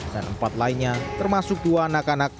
dan empat lainnya termasuk dua anak anak